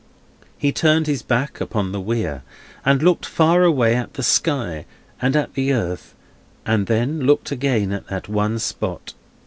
He turned his back upon the Weir, and looked far away at the sky, and at the earth, and then looked again at that one spot.